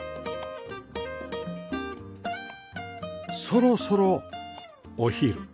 そろそろお昼